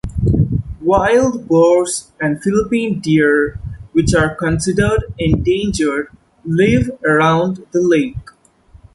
Wild boars and Philippine Deer which are considered endangered live around the lake.